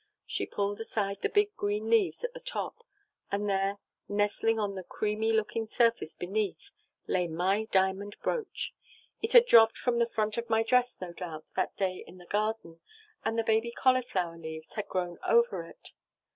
She pulled aside the big green leaves at the top, and there, nestling on the creamy looking surface underneath, lay my diamond brooch! It had dropt from the front of my dress, no doubt, that day in the garden, and the baby cauliflower's leaves had grown over it!